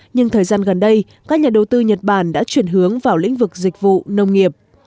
nhưng thời gian gần đây các nhà đầu tư nhật bản đã chuyển hướng vào lĩnh vực dịch vụ nông nghiệp